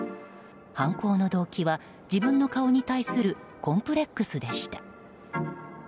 犯行の動機は自分の顔に対するコンプレックスでした。